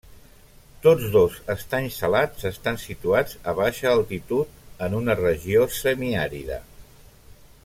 Tots dos estanys salats estan situats a baixa altitud, en una regió semiàrida.